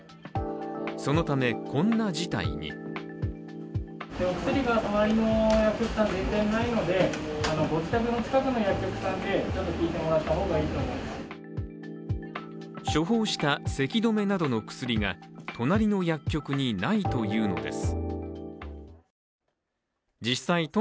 そのため、こんな事態に処方したせき止めなどの薬が隣の薬局にないというのです。